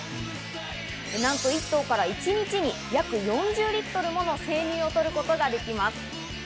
なんと１頭から一日に約４０リットルもの生乳を取ることができます。